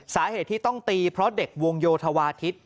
สาเหตุที่ต้องตีเพราะเด็กวงโยธวาทิศ